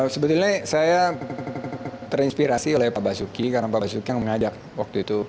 sebetulnya saya terinspirasi oleh pak basuki karena pak basuki yang mengajak waktu itu